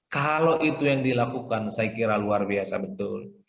kalau itu yang dilakukan saya kira luar biasa betul